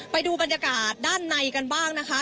ไปดูบรรยากาศด้านในกันบ้างนะคะ